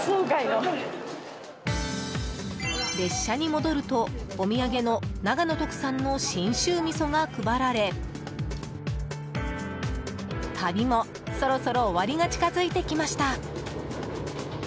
列車に戻るとお土産の長野特産の信州みそが配られ旅も、そろそろ終わりが近づいてきました。